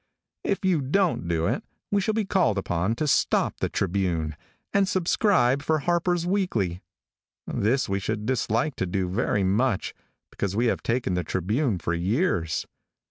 If you don't do it, we shall be called upon to stop the Tribune, and subscribe for Harper's Weekly. This we should dislike to do very much, because we have taken the Tribune for years.